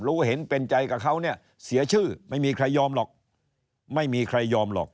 เราก็เห็นเป็นใจกับเขาเนี่ยเสียชื่อไม่มีใครยอมหรอก